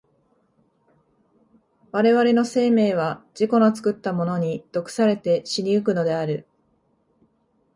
我々の生命は自己の作ったものに毒せられて死に行くのである。